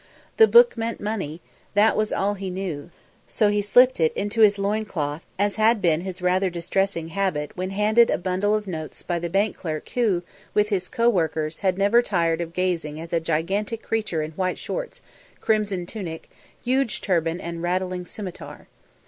The book meant money, that was all he knew; so he slipped it into his loin cloth as had been his rather distressing habit when handed a bundle of notes by the bank clerk who, with his co workers, had never tired of gazing at the gigantic creature in white shorts, crimson tunic, huge turban and rattling scimitar.